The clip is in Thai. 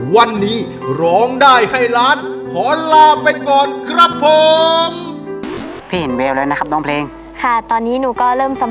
วันนี้ร้องได้ให้ล้านขอลาไปก่อนครับผม